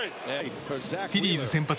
フィリーズ先発